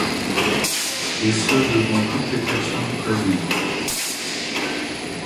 Et ce devant toutes les personnes présentes.